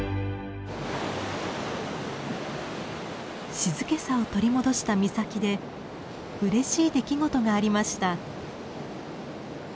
静けさを取り戻した岬でうれしい出来事がありました。